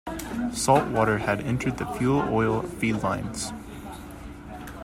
Salt water had entered the fuel oil feed lines.